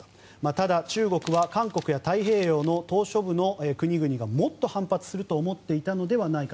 ただ、中国は韓国や太平洋の島しょ部の国々がもっと反発すると思っていたのではないか。